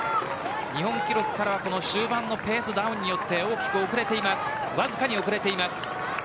日本記録からは終盤のペースダウンでわずかに遅れています。